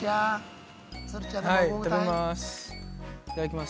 いただきます。